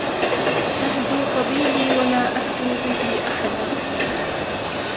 يهجو قبيلي ولا أهجو به أحدا